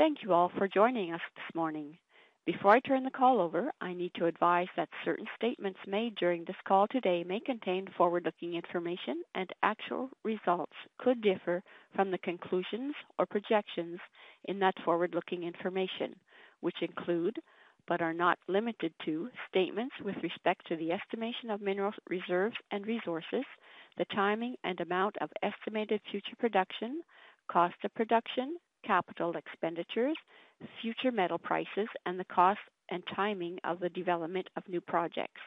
Thank you all for joining us this morning. Before I turn the call over, I need to advise that certain statements made during this call today may contain forward-looking information, and actual results could differ from the conclusions or projections in that forward-looking information, which include, but are not limited to, statements with respect to the estimation of mineral reserves and resources, the timing and amount of estimated future production, cost of production, capital expenditures, future metal prices, and the cost and timing of the development of new projects.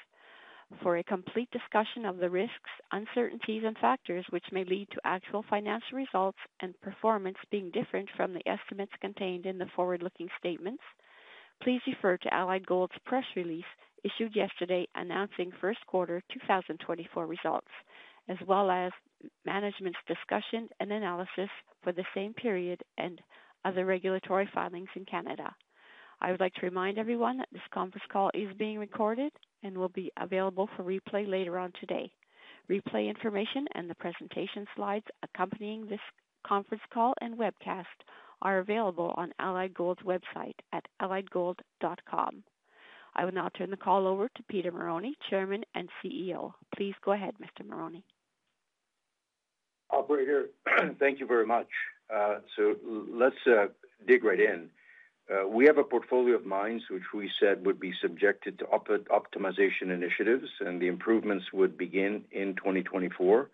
For a complete discussion of the risks, uncertainties, and factors which may lead to actual financial results and performance being different from the estimates contained in the forward-looking statements, please refer to Allied Gold's press release issued yesterday announcing first quarter 2024 results, as well as management's discussion and analysis for the same period and other regulatory filings in Canada. I would like to remind everyone that this conference call is being recorded and will be available for replay later on today. Replay information and the presentation slides accompanying this conference call and webcast are available on Allied Gold's website at alliedgold.com. I will now turn the call over to Peter Marrone, Chairman and CEO. Please go ahead, Mr. Marrone. Operator, thank you very much. So let's dig right in. We have a portfolio of mines which we said would be subjected to optimization initiatives, and the improvements would begin in 2024,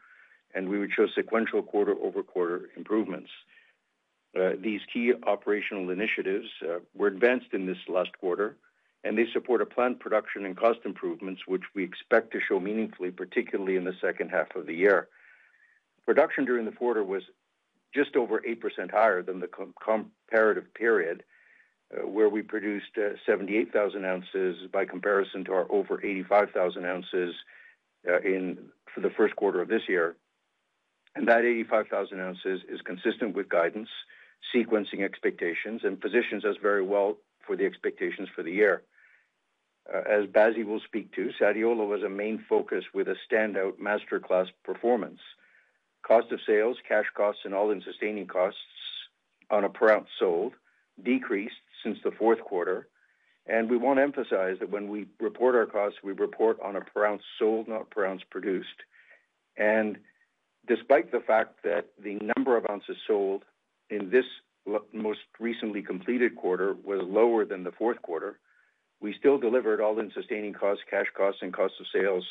and we would show sequential quarter-over-quarter improvements. These key operational initiatives were advanced in this last quarter, and they support a planned production and cost improvements which we expect to show meaningfully, particularly in the second half of the year. Production during the quarter was just over 8% higher than the comparative period where we produced 78,000 ounces by comparison to our over 85,000 ounces for the first quarter of this year. That 85,000 ounces is consistent with guidance, sequencing expectations, and positions us very well for the expectations for the year. As Basie will speak to, Sadiola was a main focus with a standout masterclass performance. Cost of sales, cash costs, and all-in sustaining costs on a per ounce sold decreased since the fourth quarter. And we want to emphasize that when we report our costs, we report on a per ounce sold, not per ounce produced. And despite the fact that the number of ounces sold in this most recently completed quarter was lower than the fourth quarter, we still delivered all-in sustaining costs, cash costs, and cost of sales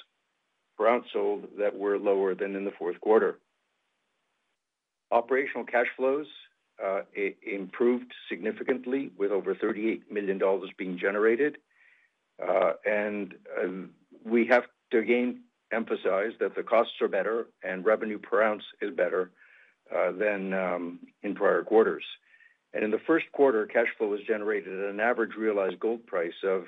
per ounce sold that were lower than in the fourth quarter. Operational cash flows improved significantly with over $38 million being generated. And we have to again emphasize that the costs are better and revenue per ounce is better than in prior quarters. In the first quarter, cash flow was generated at an average realized gold price of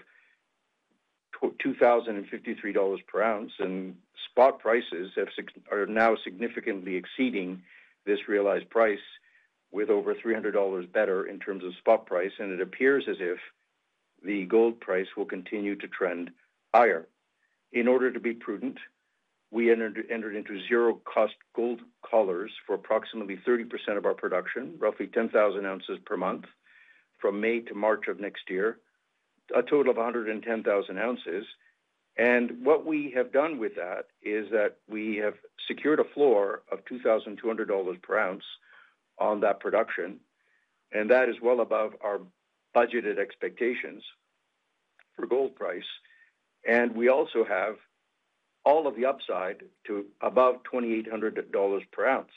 $2,053 per ounce, and spot prices are now significantly exceeding this realized price with over $300 better in terms of spot price. It appears as if the gold price will continue to trend higher. In order to be prudent, we entered into zero-cost gold collars for approximately 30% of our production, roughly 10,000 ounces per month from May to March of next year, a total of 110,000 ounces. What we have done with that is that we have secured a floor of $2,200 per ounce on that production. That is well above our budgeted expectations for gold price. We also have all of the upside to above $2,800 per ounce.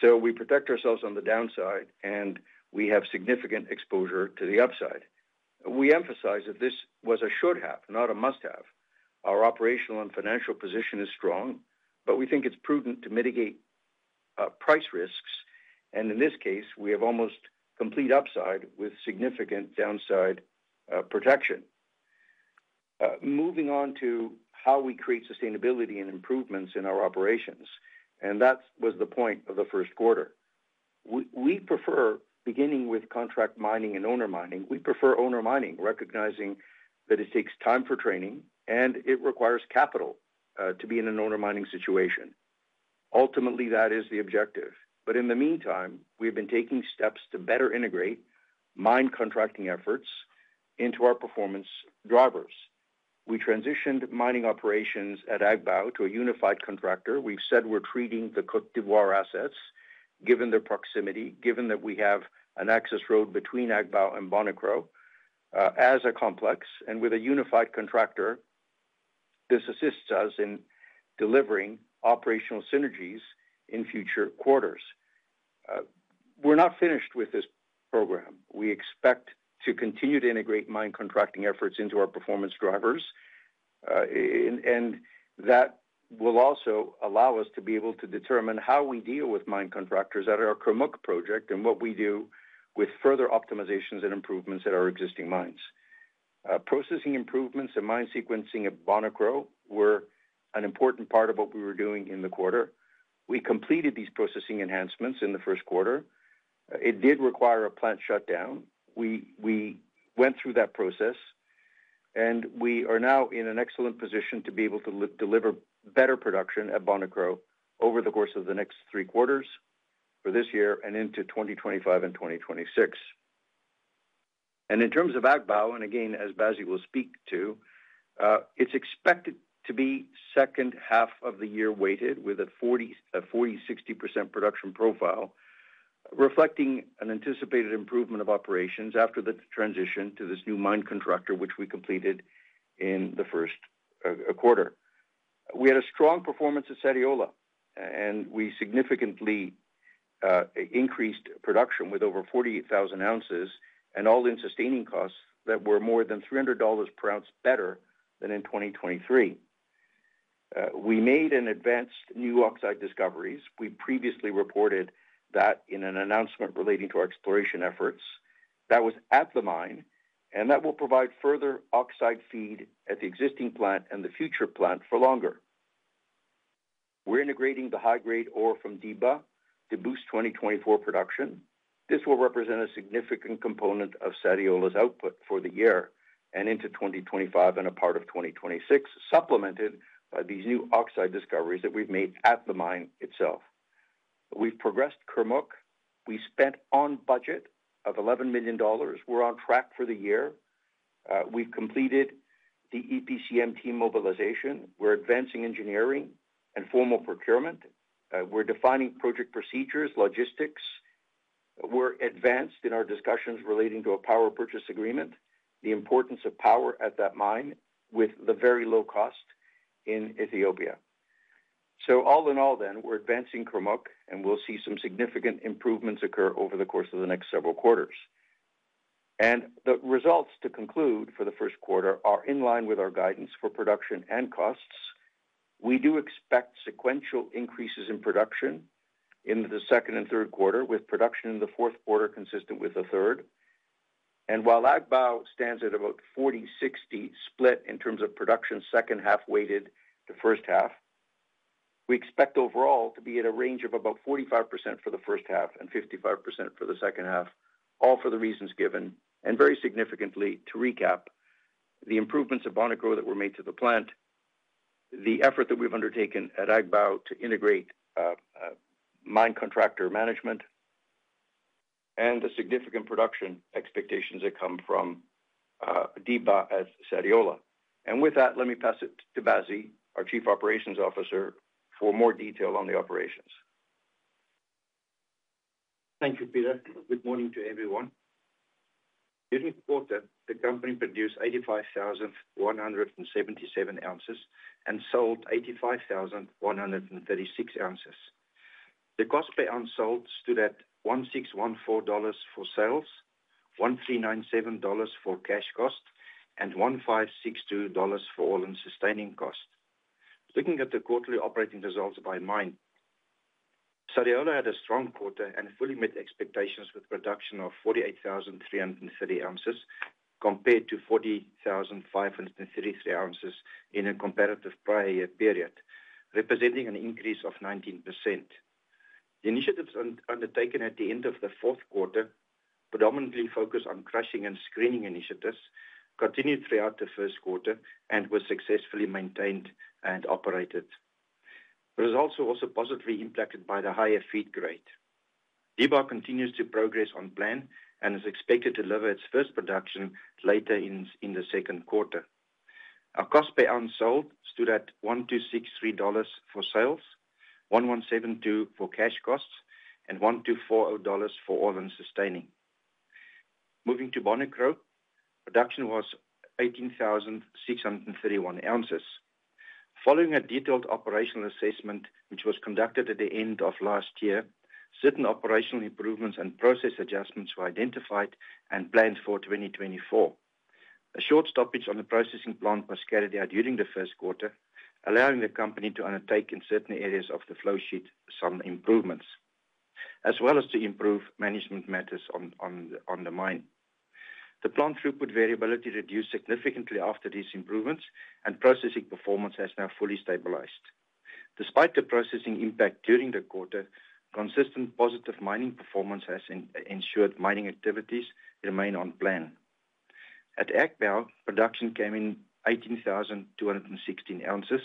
So we protect ourselves on the downside, and we have significant exposure to the upside. We emphasize that this was a should have, not a must have. Our operational and financial position is strong, but we think it's prudent to mitigate price risks. In this case, we have almost complete upside with significant downside protection. Moving on to how we create sustainability and improvements in our operations, and that was the point of the first quarter. We prefer beginning with contract mining and owner mining. We prefer owner mining, recognizing that it takes time for training and it requires capital to be in an owner mining situation. Ultimately, that is the objective. In the meantime, we have been taking steps to better integrate mine contracting efforts into our performance drivers. We transitioned mining operations at Agbaou to a unified contractor. We've said we're treating the Côte d'Ivoire assets, given their proximity, given that we have an access road between Agbaou and Bonikro as a complex, and with a unified contractor, this assists us in delivering operational synergies in future quarters. We're not finished with this program. We expect to continue to integrate mine contracting efforts into our performance drivers. And that will also allow us to be able to determine how we deal with mine contractors at our Kurmuk project and what we do with further optimizations and improvements at our existing mines. Processing improvements and mine sequencing at Bonikro were an important part of what we were doing in the quarter. We completed these processing enhancements in the first quarter. It did require a plant shutdown. We went through that process. We are now in an excellent position to be able to deliver better production at Bonikro over the course of the next three quarters for this year and into 2025 and 2026. In terms of Agbaou, and again, as Basie will speak to, it's expected to be second half of the year weighted with a 40-60% production profile, reflecting an anticipated improvement of operations after the transition to this new mine contractor, which we completed in the first quarter. We had a strong performance at Sadiola, and we significantly increased production with over 48,000 ounces and all-in sustaining costs that were more than $300 per ounce better than in 2023. We made advanced new oxide discoveries. We previously reported that in an announcement relating to our exploration efforts. That was at the mine, and that will provide further oxide feed at the existing plant and the future plant for longer. We're integrating the high-grade ore from Diba to boost 2024 production. This will represent a significant component of Sadiola's output for the year and into 2025 and a part of 2026, supplemented by these new oxide discoveries that we've made at the mine itself. We've progressed Kurmuk. We spent on budget of $11 million. We're on track for the year. We've completed the EPCM team mobilization. We're advancing engineering and formal procurement. We're defining project procedures, logistics. We're advanced in our discussions relating to a power purchase agreement, the importance of power at that mine with the very low cost in Ethiopia. So all in all, then, we're advancing Kurmuk, and we'll see some significant improvements occur over the course of the next several quarters. The results to conclude for the first quarter are in line with our guidance for production and costs. We do expect sequential increases in production in the second and third quarter, with production in the fourth quarter consistent with the third. And while Agbaou stands at about 40-60 split in terms of production second half weighted to first half, we expect overall to be at a range of about 45% for the first half and 55% for the second half, all for the reasons given. And very significantly, to recap the improvements at Bonikro that were made to the plant, the effort that we've undertaken at Agbaou to integrate mine contractor management, and the significant production expectations that come from Diba at Sadiola. And with that, let me pass it to Basie, our Chief Operations Officer, for more detail on the operations. Thank you, Peter. Good morning to everyone. During the quarter, the company produced 85,177 ounces and sold 85,136 ounces. The cost per ounce sold stood at $1,614 for cost of sales, $1,397 for cash costs, and $1,562 for all-in sustaining costs. Looking at the quarterly operating results by mine, Sadiola had a strong quarter and fully met expectations with production of 48,330 ounces compared to 40,533 ounces in a comparative prior year period, representing an increase of 19%. The initiatives undertaken at the end of the fourth quarter, predominantly focused on crushing and screening initiatives, continued throughout the first quarter and were successfully maintained and operated. Results were also positively impacted by the higher feed grade. Diba continues to progress on plan and is expected to deliver its first production later in the second quarter. Our cost per ounce sold stood at $1,263 for sales, $1,172 for cash costs, and $1,240 for all-in sustaining. Moving to Bonikro, production was 18,631 ounces. Following a detailed operational assessment which was conducted at the end of last year, certain operational improvements and process adjustments were identified and planned for 2024. A short stoppage on the processing plant was carried out during the first quarter, allowing the company to undertake in certain areas of the flow sheet some improvements, as well as to improve management matters on the mine. The plant throughput variability reduced significantly after these improvements, and processing performance has now fully stabilized. Despite the processing impact during the quarter, consistent positive mining performance has ensured mining activities remain on plan. At Agbaou, production came in 18,216 ounces.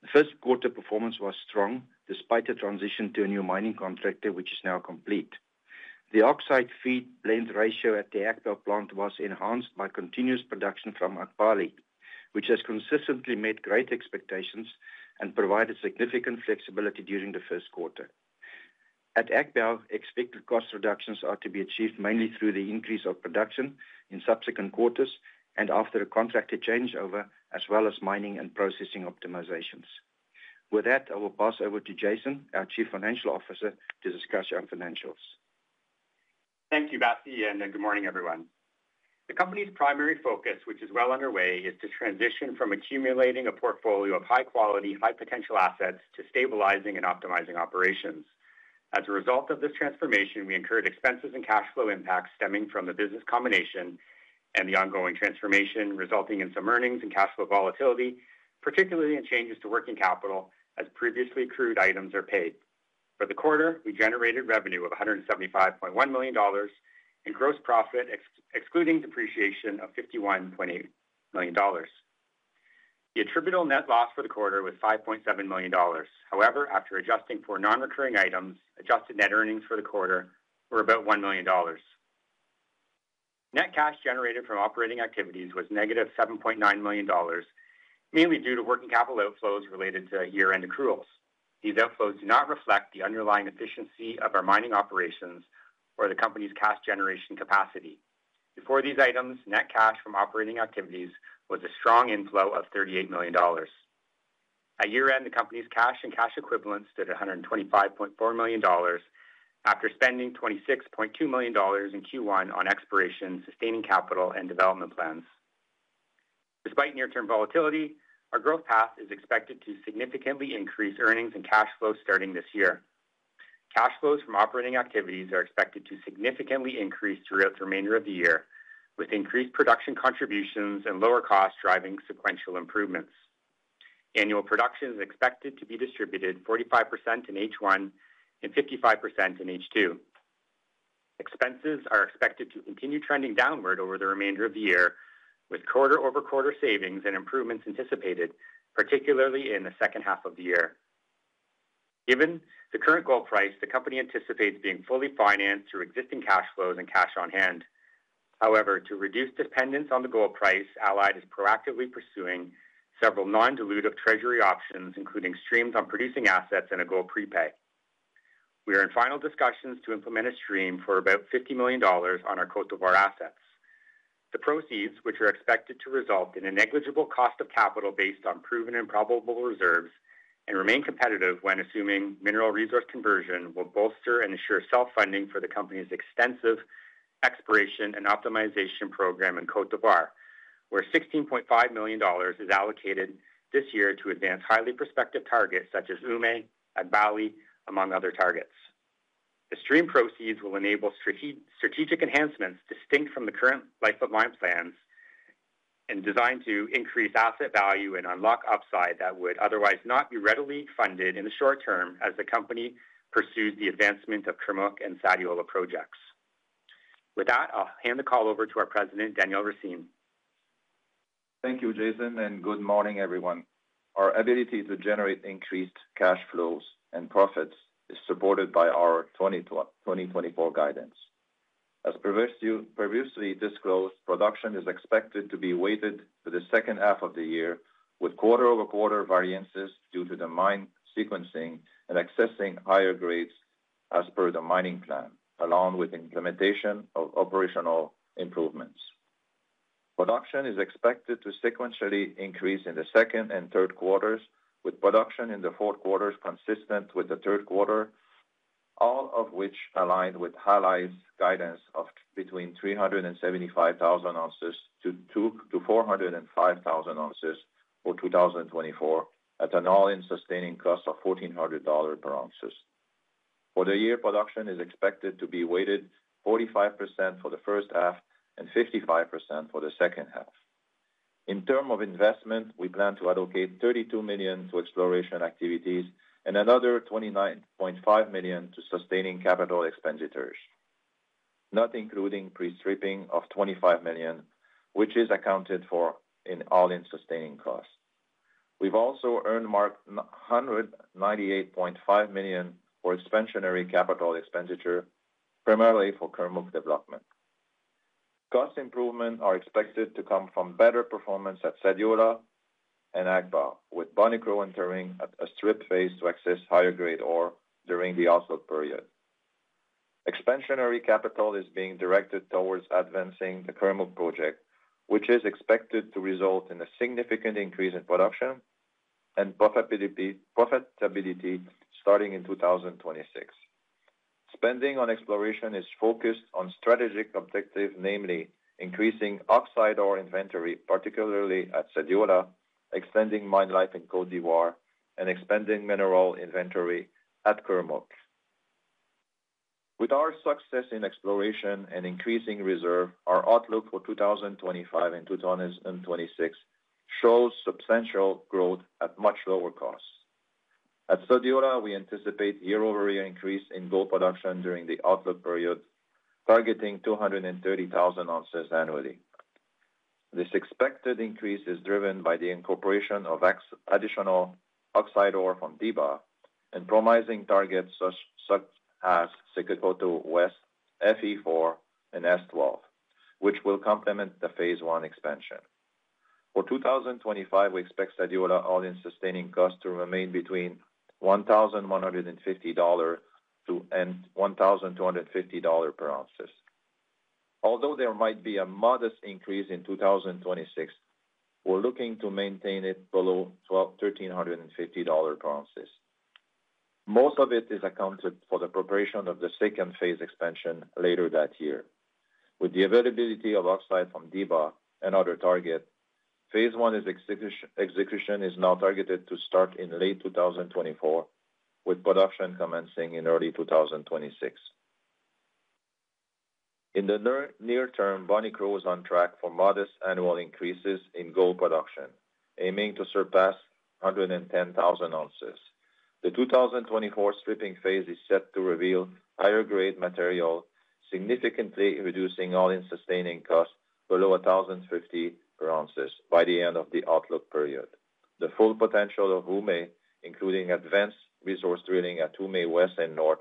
The first quarter performance was strong despite the transition to a new mining contractor which is now complete. The oxide feed blend ratio at the Agbaou plant was enhanced by continuous production from Agbalé, which has consistently met great expectations and provided significant flexibility during the first quarter. At Agbaou, expected cost reductions are to be achieved mainly through the increase of production in subsequent quarters and after a contractor changeover, as well as mining and processing optimizations. With that, I will pass over to Greg, our Chief Financial Officer, to discuss our financials. Thank you, Basie, and good morning, everyone. The company's primary focus, which is well underway, is to transition from accumulating a portfolio of high-quality, high-potential assets to stabilizing and optimizing operations. As a result of this transformation, we incurred expenses and cash flow impacts stemming from the business combination and the ongoing transformation resulting in some earnings and cash flow volatility, particularly in changes to working capital as previously accrued items are paid. For the quarter, we generated revenue of $175.1 million and gross profit excluding depreciation of $51.8 million. The attributable net loss for the quarter was $5.7 million. However, after adjusting for non-recurring items, adjusted net earnings for the quarter were about $1 million. Net cash generated from operating activities was -$7.9 million, mainly due to working capital outflows related to year-end accruals. These outflows do not reflect the underlying efficiency of our mining operations or the company's cash generation capacity. Before these items, net cash from operating activities was a strong inflow of $38 million. At year-end, the company's cash and cash equivalents stood at $125.4 million after spending $26.2 million in Q1 on exploration, sustaining capital, and development plans. Despite near-term volatility, our growth path is expected to significantly increase earnings and cash flow starting this year. Cash flows from operating activities are expected to significantly increase throughout the remainder of the year, with increased production contributions and lower costs driving sequential improvements. Annual production is expected to be distributed 45% in H1 and 55% in H2. Expenses are expected to continue trending downward over the remainder of the year, with quarter-over-quarter savings and improvements anticipated, particularly in the second half of the year. Given the current gold price, the company anticipates being fully financed through existing cash flows and cash on hand. However, to reduce dependence on the gold price, Allied is proactively pursuing several non-dilutive treasury options, including streams on producing assets and a gold prepay. We are in final discussions to implement a stream for about $50 million on our Côte d'Ivoire assets. The proceeds, which are expected to result in a negligible cost of capital based on proven and probable reserves and remain competitive when assuming mineral resource conversion, will bolster and ensure self-funding for the company's extensive exploration and optimization program in Côte d'Ivoire, where $16.5 million is allocated this year to advance highly prospective targets such as Oumé, Agbalé, among other targets. The stream proceeds will enable strategic enhancements distinct from the current life of mine plans and designed to increase asset value and unlock upside that would otherwise not be readily funded in the short term as the company pursues the advancement of Kurmuk and Sadiola projects. With that, I'll hand the call over to our President, Daniel Racine. Thank you, Greg, and good morning, everyone. Our ability to generate increased cash flows and profits is supported by our 2024 guidance. As previously disclosed, production is expected to be weighted for the second half of the year with quarter-over-quarter variances due to the mine sequencing and accessing higher grades as per the mining plan, along with implementation of operational improvements. Production is expected to sequentially increase in the second and third quarters, with production in the fourth quarter consistent with the third quarter, all of which aligned with Allied's guidance of between 375,000-405,000 ounces for 2024 at an all-in sustaining cost of $1,400 per ounce. For the year, production is expected to be weighted 45% for the first half and 55% for the second half. In terms of investment, we plan to allocate $32 million to exploration activities and another $29.5 million to sustaining capital expenditures, not including pre-stripping of $25 million, which is accounted for in all-in sustaining costs. We've also earned $198.5 million for expansionary capital expenditure, primarily for Kurmuk development. Cost improvement is expected to come from better performance at Sadiola and Agbaou, with Bonikro entering a strip phase to access higher-grade ore during the offload period. Expansionary capital is being directed towards advancing the Kurmuk project, which is expected to result in a significant increase in production and profitability starting in 2026. Spending on exploration is focused on strategic objectives, namely increasing oxide ore inventory, particularly at Sadiola, extending mine life in Côte d'Ivoire, and expanding mineral inventory at Kurmuk. With our success in exploration and increasing reserve, our outlook for 2025 and 2026 shows substantial growth at much lower costs. At Sadiola, we anticipate year-over-year increase in gold production during the outlook period, targeting 230,000 ounces annually. This expected increase is driven by the incorporation of additional oxide ore from Diba and promising targets such as Sekekoto West, FE4, and S12, which will complement the phase one expansion. For 2025, we expect Sadiola all-in sustaining costs to remain between $1,150-$1,250 per ounce. Although there might be a modest increase in 2026, we're looking to maintain it below $1,350 per ounce. Most of it is accounted for the preparation of the second phase expansion later that year. With the availability of oxide from Diba and other targets, phase one execution is now targeted to start in late 2024, with production commencing in early 2026. In the near term, Bonikro is on track for modest annual increases in gold production, aiming to surpass 110,000 ounces. The 2024 stripping phase is set to reveal higher-grade material, significantly reducing all-in sustaining costs below $1,050 per ounce by the end of the outlook period. The full potential of Oumé, including advanced resource drilling at Oumé West and North,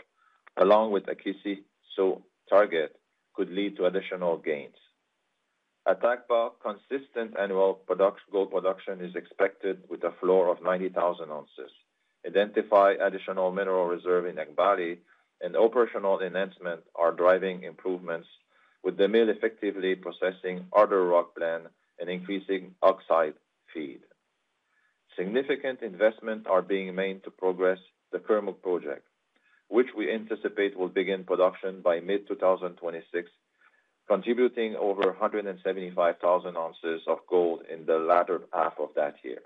along with Akissi-So target, could lead to additional gains. At Agbaou, consistent annual gold production is expected with a floor of 90,000 ounces. Identifying additional mineral reserve in Agbalé and operational enhancement are driving improvements, with the mill effectively processing harder rock blend and increasing oxide feed. Significant investments are being made to progress the Kurmuk project, which we anticipate will begin production by mid-2026, contributing over 175,000 ounces of gold in the latter half of that year.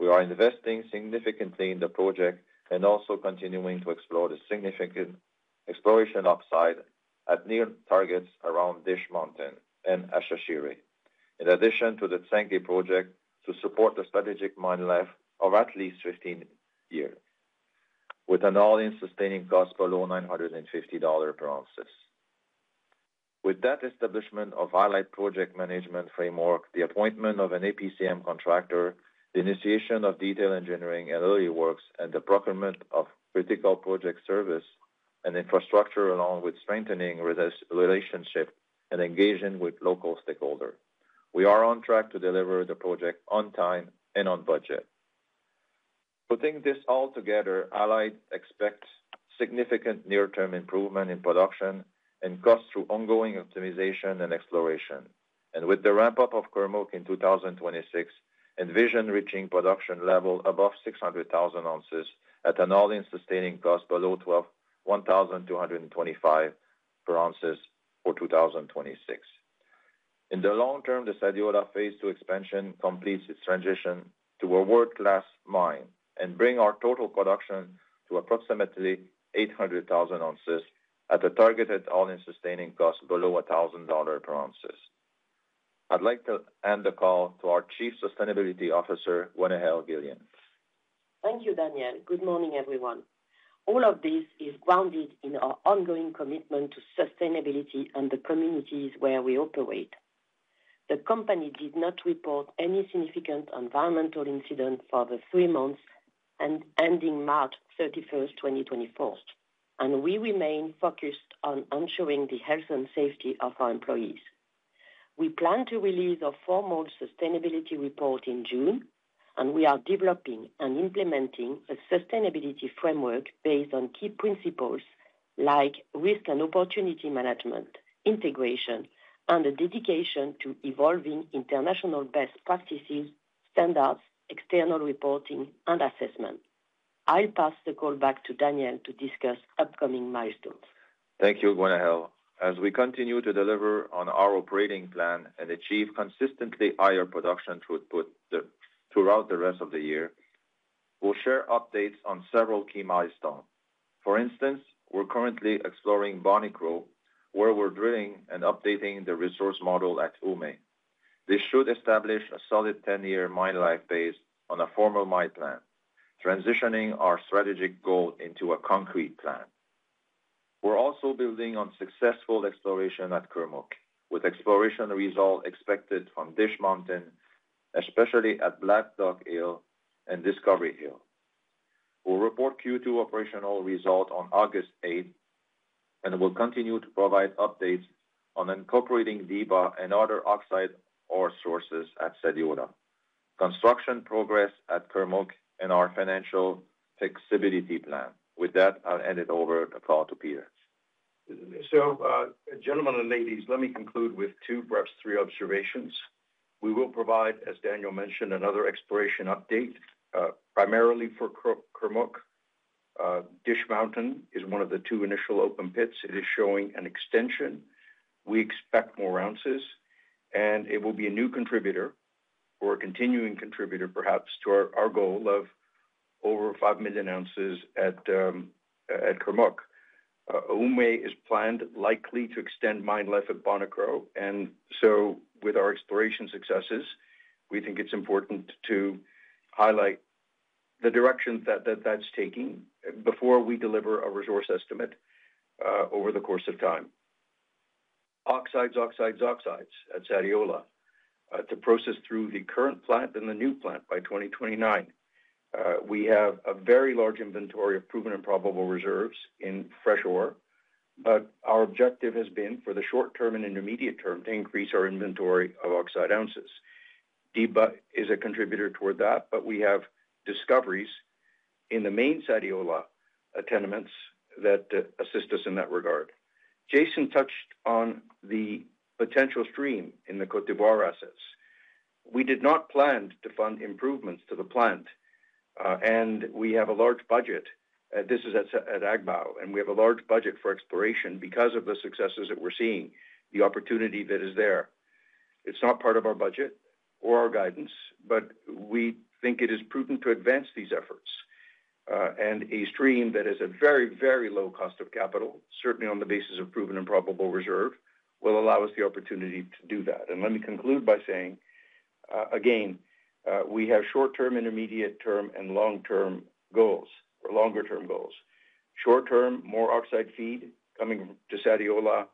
We are investing significantly in the project and also continuing to explore the significant exploration upside at near targets around Dish Mountain and Ashashire, in addition to the Tsenge project to support the strategic mine life of at least 15 years, with an all-in sustaining cost below $950 per ounces. With that establishment of Allied project management framework, the appointment of an EPCM contractor, the initiation of detailed engineering and early works, and the procurement of critical project services and infrastructure, along with strengthening relationships and engagement with local stakeholders, we are on track to deliver the project on time and on budget. Putting this all together, Allied expects significant near-term improvement in production and costs through ongoing optimization and exploration. And with the ramp-up of Kurmuk in 2026 and Sadiola reaching production level above 600,000 ounces at an all-in sustaining cost below $1,225 per ounces for 2026. In the long term, the Sadiola phase two expansion completes its transition to a world-class mine and brings our total production to approximately 800,000 ounces at a targeted all-in sustaining cost below $1,000 per ounce. I'd like to hand the call to our Chief Sustainability Officer, Gwenaël Guillen. Thank you, Daniel. Good morning, everyone. All of this is grounded in our ongoing commitment to sustainability and the communities where we operate. The company did not report any significant environmental incidents for the three months ending March 31st, 2024, and we remain focused on ensuring the health and safety of our employees. We plan to release a formal sustainability report in June, and we are developing and implementing a sustainability framework based on key principles like risk and opportunity management, integration, and a dedication to evolving international best practices, standards, external reporting, and assessment. I'll pass the call back to Daniel to discuss upcoming milestones. Thank you, Gwenaël. As we continue to deliver on our operating plan and achieve consistently higher production throughput throughout the rest of the year, we'll share updates on several key milestones. For instance, we're currently exploring Bonikro, where we're drilling and updating the resource model at Oumé. This should establish a solid 10-year mine life based on a formal mine plan, transitioning our strategic goal into a concrete plan. We're also building on successful exploration at Kurmuk, with exploration result expected from Dish Mountain, especially at Black Duck Hill and Discovery Hill. We'll report Q2 operational result on August 8th, and we'll continue to provide updates on incorporating Diba and other oxide ore sources at Sadiola, construction progress at Kurmuk, and our financial flexibility plan. With that, I'll hand it over the call to Peter. So, gentlemen and ladies, let me conclude with 2, perhaps 3 observations. We will provide, as Daniel mentioned, another exploration update, primarily for Kurmuk. Dish Mountain is one of the two initial open pits. It is showing an extension. We expect more ounces, and it will be a new contributor or a continuing contributor, perhaps, to our goal of over 5 million ounces at Kurmuk. Oumé is planned likely to extend mine life at Bonikro. With our exploration successes, we think it's important to highlight the direction that that's taking before we deliver a resource estimate over the course of time. Oxides, oxides, oxides at Sadiola to process through the current plant and the new plant by 2029. We have a very large inventory of proven and probable reserves in fresh ore, but our objective has been, for the short term and intermediate term, to increase our inventory of oxide ounces. Diba is a contributor toward that, but we have discoveries in the main Sadiola tenements that assist us in that regard. Greg touched on the potential stream in the Côte d'Ivoire assets. We did not plan to fund improvements to the plant, and we have a large budget. This is at Agbaou, and we have a large budget for exploration because of the successes that we're seeing, the opportunity that is there. It's not part of our budget or our guidance, but we think it is prudent to advance these efforts. A stream that is at very, very low cost of capital, certainly on the basis of proven and probable reserve, will allow us the opportunity to do that. Let me conclude by saying, again, we have short term, intermediate term, and long term goals or longer term goals. Short term, more oxide feed coming to Sadiola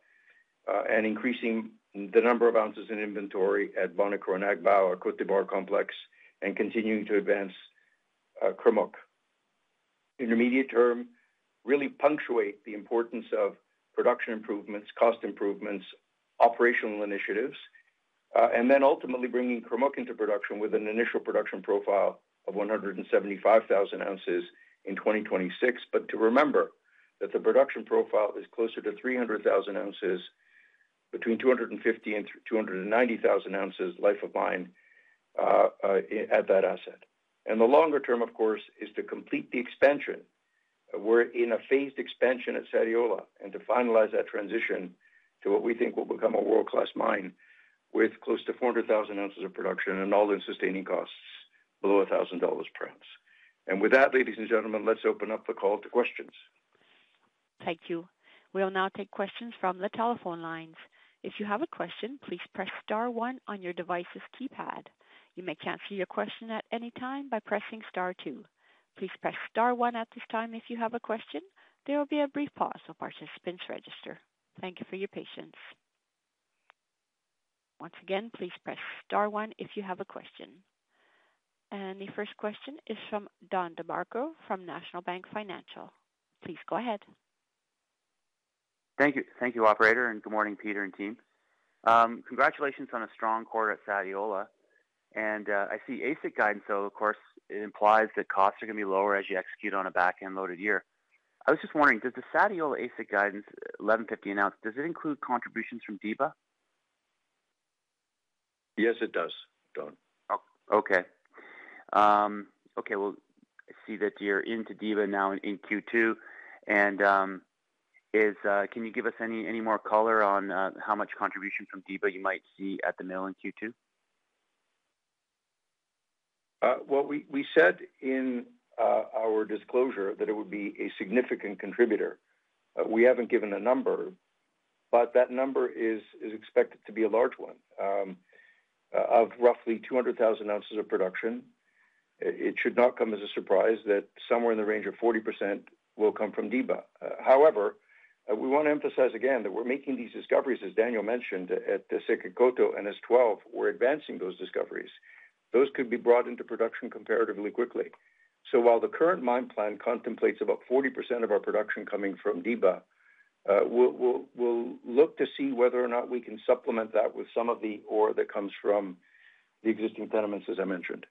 and increasing the number of ounces in inventory at Bonikro and Agbaou or Côte d'Ivoire complex and continuing to advance Kurmuk. Intermediate term, really punctuate the importance of production improvements, cost improvements, operational initiatives, and then ultimately bringing Kurmuk into production with an initial production profile of 175,000 ounces in 2026. But to remember that the production profile is closer to 300,000 ounces, between 250,000 and 290,000 ounces life of mine at that asset. The longer term, of course, is to complete the expansion. We're in a phased expansion at Sadiola and to finalize that transition to what we think will become a world-class mine with close to 400,000 ounces of production and all-in sustaining costs below $1,000 per ounce. With that, ladies and gentlemen, let's open up the call to questions. Thank you. We will now take questions from the telephone lines. If you have a question, please press * one on your device's keypad. You may change your question at any time by pressing * two. Please press * one at this time if you have a question. There will be a brief pause while participants register. Thank you for your patience. Once again, please press * one if you have a question. And the first question is from Don Dudek from National Bank Financial. Please go ahead. Thank you. Thank you, operator. Good morning, Peter and team. Congratulations on a strong quarter at Sadiola. I see AISC guidance. So, of course, it implies that costs are going to be lower as you execute on a backend-loaded year. I was just wondering, does the Sadiola AISC guidance, $1,150 an ounce, include contributions from Diba? Yes, it does, Don. Okay. Okay. Well, I see that you're into Diba now in Q2. And can you give us any more color on how much contribution from Diba you might see at the mill in Q2? Well, we said in our disclosure that it would be a significant contributor. We haven't given a number, but that number is expected to be a large one of roughly 200,000 ounces of production. It should not come as a surprise that somewhere in the range of 40% will come from Diba. However, we want to emphasize again that we're making these discoveries, as Daniel mentioned, at Sekekoto and S12. We're advancing those discoveries. Those could be brought into production comparatively quickly. So while the current mine plan contemplates about 40% of our production coming from Diba, we'll look to see whether or not we can supplement that with some of the ore that comes from the existing tenements, as I mentioned.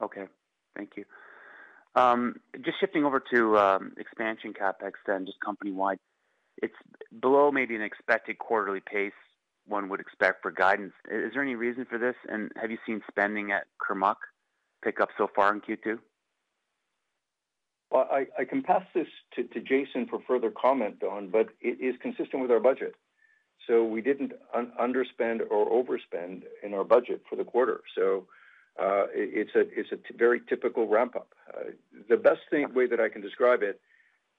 Okay. Thank you. Just shifting over to expansion CapEx then, just company-wide, it's below maybe an expected quarterly pace one would expect for guidance. Is there any reason for this? And have you seen spending at Kurmuk pick up so far in Q2? Well, I can pass this to Greg for further comment, Don, but it is consistent with our budget. So we didn't underspend or overspend in our budget for the quarter. So it's a very typical ramp-up. The best way that I can describe it,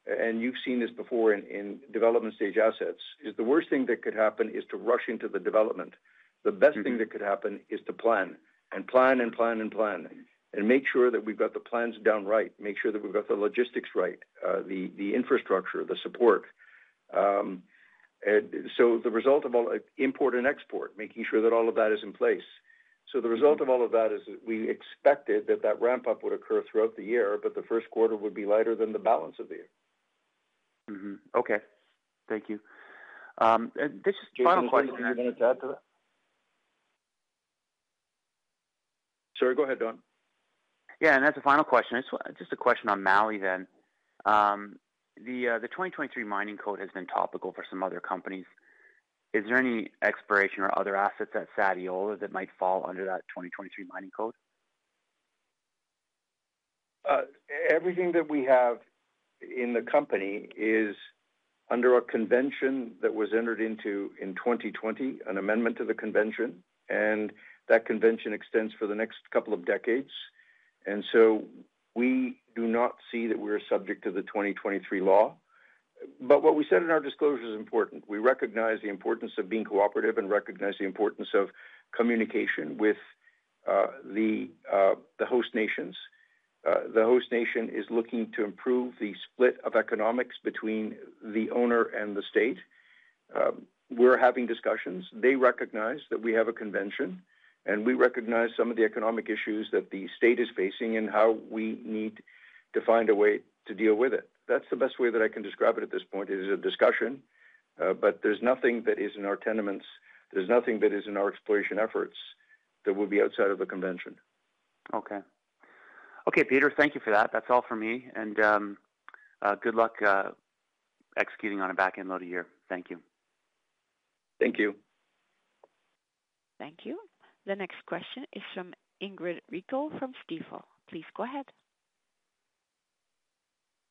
and you've seen this before in development-stage assets, is the worst thing that could happen is to rush into the development. The best thing that could happen is to plan and plan and plan and plan and make sure that we've got the plans done right, make sure that we've got the logistics right, the infrastructure, the support. So the result of all import and export, making sure that all of that is in place. The result of all of that is that we expected that that ramp-up would occur throughout the year, but the first quarter would be lighter than the balance of the year. Okay. Thank you. This is the final question. Greg, do you want to add to that? Sorry. Go ahead, Don. Yeah. That's a final question. Just a question on Mali then. The 2023 mining code has been topical for some other companies. Is there any exploration or other assets at Sadiola that might fall under that 2023 mining code? Everything that we have in the company is under a convention that was entered into in 2020, an amendment to the convention. That convention extends for the next couple of decades. We do not see that we're subject to the 2023 law. What we said in our disclosure is important. We recognize the importance of being cooperative and recognize the importance of communication with the host nations. The host nation is looking to improve the split of economics between the owner and the state. We're having discussions. They recognize that we have a convention, and we recognize some of the economic issues that the state is facing and how we need to find a way to deal with it. That's the best way that I can describe it at this point. It is a discussion, but there's nothing that is in our tenements. There's nothing that is in our exploration efforts that would be outside of the convention. Okay. Okay, Peter, thank you for that. That's all for me. Good luck executing on a backend-loaded year. Thank you. Thank you. Thank you. The next question is from Ingrid Rico from Stifel. Please go ahead.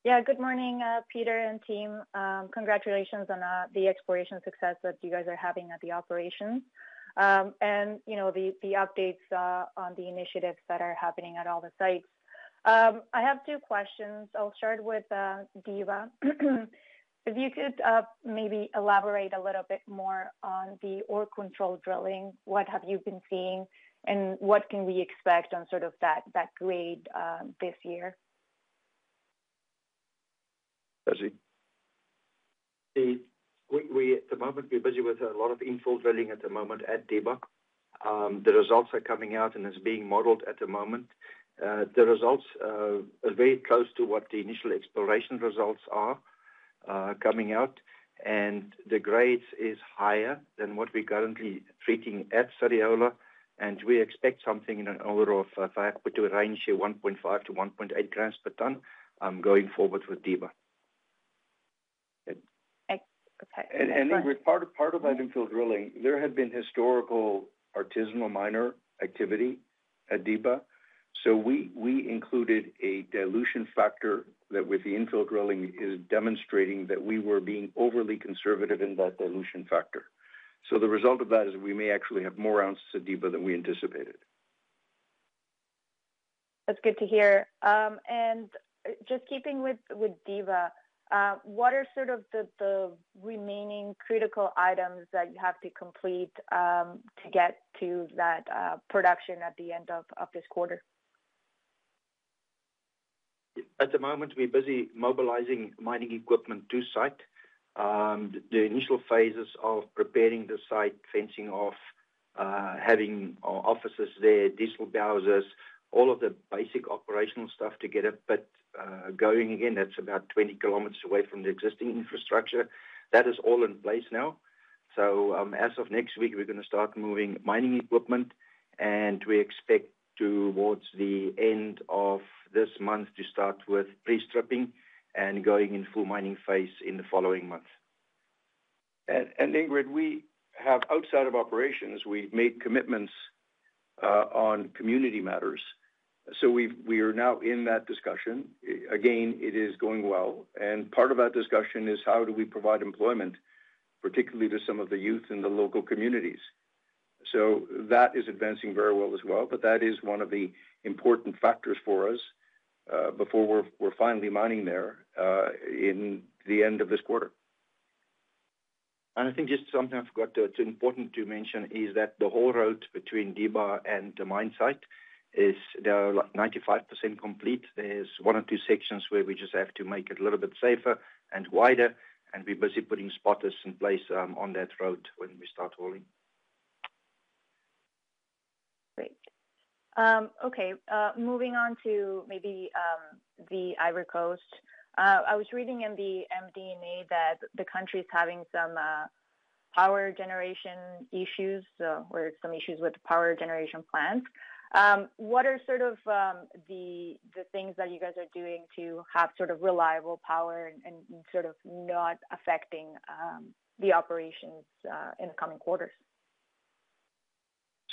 Yeah. Good morning, Peter and team. Congratulations on the exploration success that you guys are having at the operations and the updates on the initiatives that are happening at all the sites. I have two questions. I'll start with Diba. If you could maybe elaborate a little bit more on the ore control drilling, what have you been seeing, and what can we expect on sort of that grade this year? Greg. We, at the moment, we're busy with a lot of infill drilling at the moment at Diba. The results are coming out and it's being modeled at the moment. The results are very close to what the initial exploration results are coming out, and the grade is higher than what we're currently treating at Sadiola. We expect something in an order of, if I have to put to a range here, 1.5-1.8 grams per ton going forward with Diba. Okay. And Ingrid, part of that infill drilling, there had been historical artisanal miner activity at Diba. So we included a dilution factor that, with the infill drilling, is demonstrating that we were being overly conservative in that dilution factor. So the result of that is we may actually have more ounces of Diba than we anticipated. That's good to hear. Just keeping with Diba, what are sort of the remaining critical items that you have to complete to get to that production at the end of this quarter? At the moment, we're busy mobilizing mining equipment to site, the initial phases of preparing the site, fencing off, having offices there, diesel bowsers, all of the basic operational stuff together. But going again, that's about 20 km away from the existing infrastructure. That is all in place now. So as of next week, we're going to start moving mining equipment, and we expect towards the end of this month to start with pre-stripping and going in full mining phase in the following month. And Ingrid, outside of operations, we've made commitments on community matters. So we are now in that discussion. Again, it is going well. And part of that discussion is how do we provide employment, particularly to some of the youth in the local communities. So that is advancing very well as well, but that is one of the important factors for us before we're finally mining there in the end of this quarter. I think just something I forgot that's important to mention is that the whole route between Diba and the mine site is now 95% complete. There's one or two sections where we just have to make it a little bit safer and wider, and we're busy putting spotters in place on that road when we start hauling. Great. Okay. Moving on to maybe the Ivory Coast, I was reading in the MD&A that the country is having some power generation issues or some issues with power generation plants. What are sort of the things that you guys are doing to have sort of reliable power and sort of not affecting the operations in the coming quarters?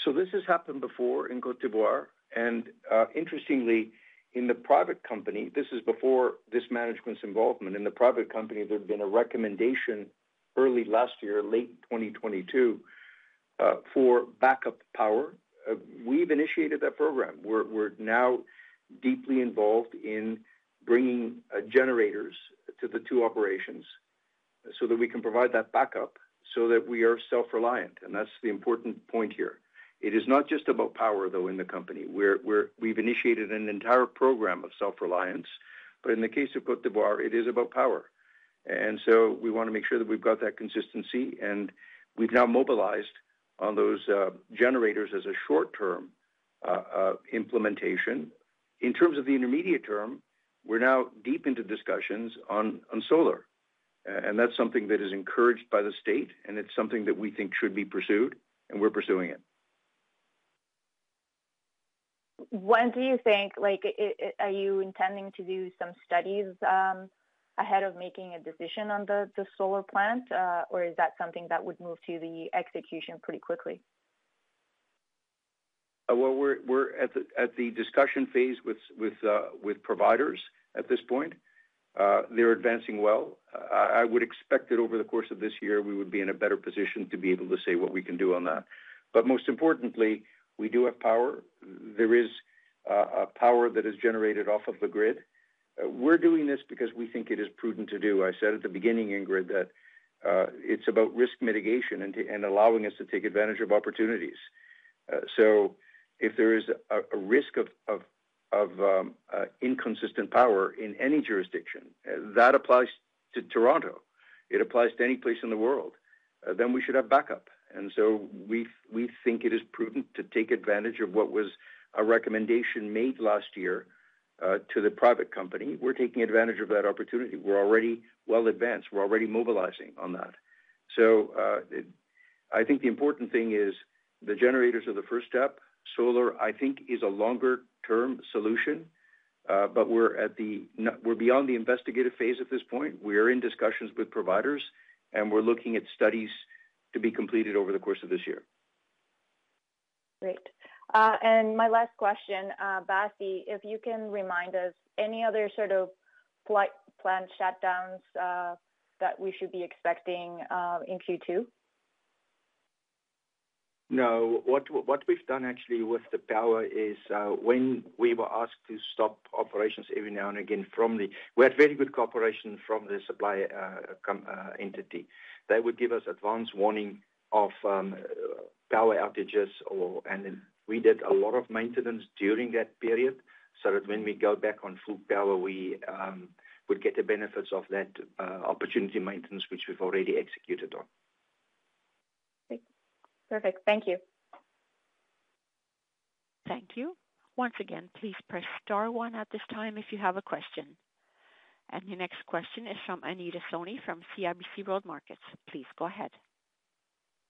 So this has happened before in Côte d'Ivoire. Interestingly, in the private company, this is before this management's involvement. In the private company, there'd been a recommendation early last year, late 2022, for backup power. We've initiated that program. We're now deeply involved in bringing generators to the two operations so that we can provide that backup so that we are self-reliant. And that's the important point here. It is not just about power, though, in the company. We've initiated an entire program of self-reliance. But in the case of Côte d'Ivoire, it is about power. And so we want to make sure that we've got that consistency. And we've now mobilized on those generators as a short-term implementation. In terms of the intermediate term, we're now deep into discussions on solar. That's something that is encouraged by the state, and it's something that we think should be pursued, and we're pursuing it. When do you think are you intending to do some studies ahead of making a decision on the solar plant, or is that something that would move to the execution pretty quickly? Well, we're at the discussion phase with providers at this point. They're advancing well. I would expect that over the course of this year, we would be in a better position to be able to say what we can do on that. But most importantly, we do have power. There is power that is generated off of the grid. We're doing this because we think it is prudent to do. I said at the beginning, Ingrid, that it's about risk mitigation and allowing us to take advantage of opportunities. So if there is a risk of inconsistent power in any jurisdiction, that applies to Toronto. It applies to any place in the world. Then we should have backup. And so we think it is prudent to take advantage of what was a recommendation made last year to the private company. We're taking advantage of that opportunity. We're already well advanced. We're already mobilizing on that. So I think the important thing is the generators are the first step. Solar, I think, is a longer-term solution, but we're beyond the investigative phase at this point. We are in discussions with providers, and we're looking at studies to be completed over the course of this year. Great. My last question, Basie, if you can remind us, any other sort of plant shutdowns that we should be expecting in Q2? No. What we've done actually with the power is, when we were asked to stop operations every now and again from the, we had very good cooperation from the supply entity. They would give us advance warning of power outages. We did a lot of maintenance during that period so that when we go back on full power, we would get the benefits of that opportunity maintenance, which we've already executed on. Perfect. Thank you. Thank you. Once again, please press star one at this time if you have a question. Your next question is from Anita Soni from CIBC World Markets. Please go ahead.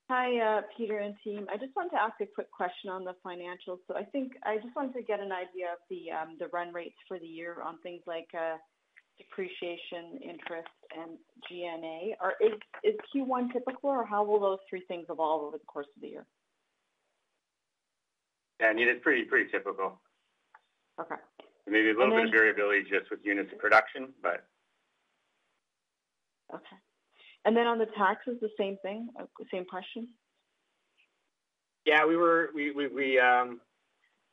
Hi, Peter and team. I just wanted to ask a quick question on the financials. So I think I just wanted to get an idea of the run rates for the year on things like depreciation, interest, and G&A. Is Q1 typical, or how will those three things evolve over the course of the year? Yeah. I mean, it's pretty typical. Maybe a little bit of variability just with units of production, but. Okay. And then on the taxes, the same thing, same question? Yeah. We were a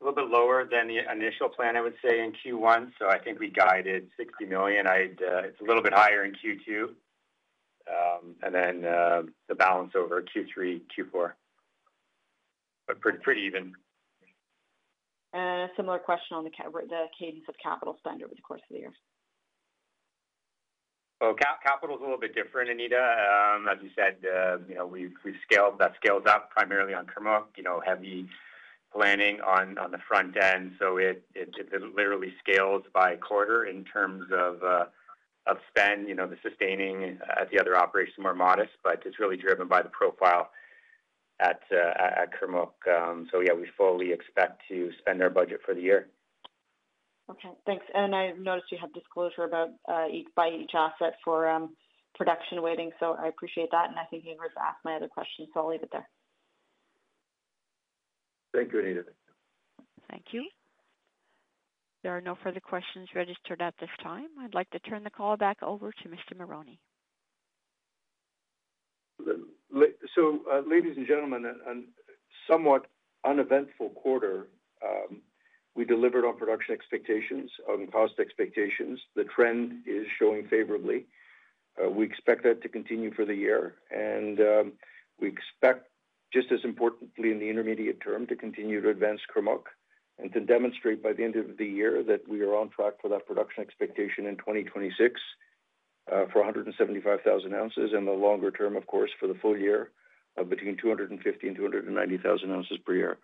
little bit lower than the initial plan, I would say, in Q1. So I think we guided $60 million. It's a little bit higher in Q2 and then the balance over Q3, Q4, but pretty even. Similar question on the cadence of capital spend over the course of the year. Oh, capital is a little bit different, Anita. As you said, we've scaled. That scales up primarily on Kurmuk, heavy planning on the front end. So it literally scales by quarter in terms of spend. The sustaining at the other operations are more modest, but it's really driven by the profile at Kurmuk. So yeah, we fully expect to spend our budget for the year. Okay. Thanks. And I noticed you had disclosure by each asset for production weighting, so I appreciate that. And I think Ingrid's asked my other question, so I'll leave it there. Thank you, Anita. Thank you. There are no further questions registered at this time. I'd like to turn the call back over to Mr. Marrone. So ladies and gentlemen, on a somewhat uneventful quarter, we delivered on production expectations and cost expectations. The trend is showing favorably. We expect that to continue for the year. And we expect, just as importantly in the intermediate term, to continue to advance Kurmuk and to demonstrate by the end of the year that we are on track for that production expectation in 2026 for 175,000 ounces and the longer term, of course, for the full year of between 250,000 and 290,000 ounces per year.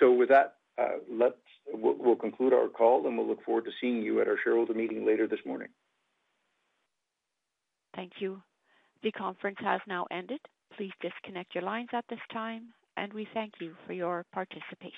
So with that, we'll conclude our call, and we'll look forward to seeing you at our shareholder meeting later this morning. Thank you. The conference has now ended. Please disconnect your lines at this time. We thank you for your participation.